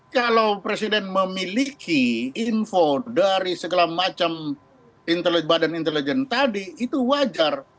kalau presiden memiliki info dari segala macam badan intelijen tadi itu wajar